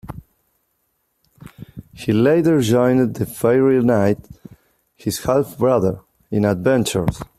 He later joined the Faerie Knight, his half-brother, in adventures.